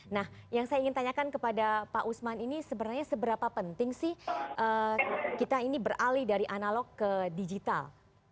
nah yang saya ingin tanyakan kepada pak usman ini sebenarnya seberapa penting sih kita ini beralih dari analog ke digital